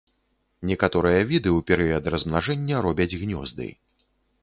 Некаторыя віды ў перыяд размнажэння робяць гнёзды.